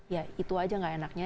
ya itu saja tidak enaknya